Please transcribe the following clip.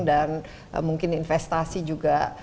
dan mungkin investasi juga